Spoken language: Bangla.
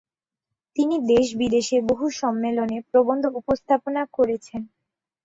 তিনি দেশ-বিদেশে বহু সম্মেলনে প্রবন্ধ উপস্থাপনা করেছেন।